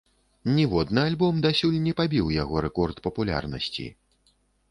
Ніводны альбом дасюль не пабіў яго рэкорд папулярнасці.